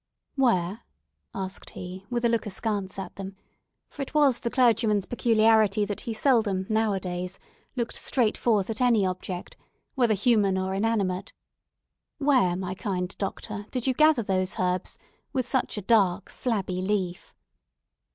"Where," asked he, with a look askance at them—for it was the clergyman's peculiarity that he seldom, now a days, looked straight forth at any object, whether human or inanimate, "where, my kind doctor, did you gather those herbs, with such a dark, flabby leaf?"